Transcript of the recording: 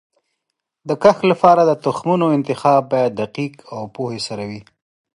د کښت لپاره د تخمونو انتخاب باید دقیق او پوهه سره وي.